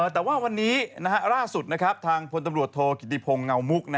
แต่ว่าวันนี้ล่าสุดทางพลตำรวจโทกิติพงศ์เงามุก